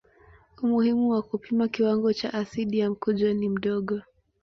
Umuhimu wa kupima kiwango cha asidi ya mkojo ni mdogo.